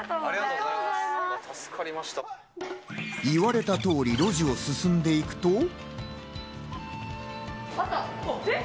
言われた通り、路地を進んでいくと。